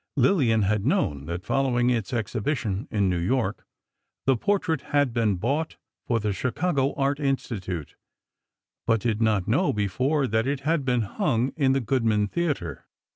Lillian had known that following its exhibition in New York, the portrait had been bought for the Chicago Art Institute, but did not know before that it had been hung in the Goodman Theatre.